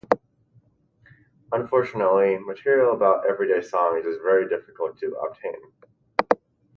Unfortunately, material about everyday songs is very difficult to obtain.